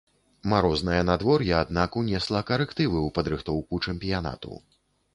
Марознае надвор'е аднак унесла карэктывы ў падрыхтоўку чэмпіянату.